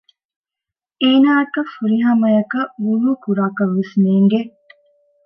އޭނާއަކަށް ފުރިހަމައަކަށް ވުޟޫ ކުރާކަށްވެސް ނޭގެ